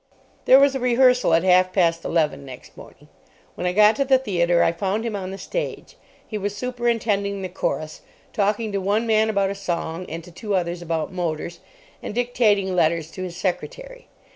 There was a rehearsal at half past eleven next morning. When I got to the theatre I found him on the stage. He was superintending the chorus, talking to one man about a song and to two others about motors, and dictating letters to his secretary.